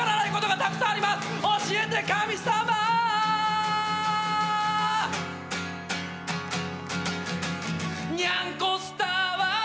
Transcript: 「にゃんこスターはなぜ」